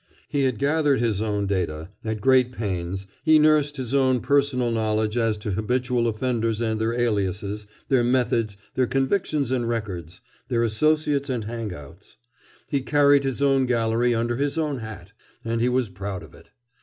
He had gathered his own data, at great pains, he nursed his own personal knowledge as to habitual offenders and their aliases, their methods, their convictions and records, their associates and hang outs. He carried his own gallery under his own hat, and he was proud of it.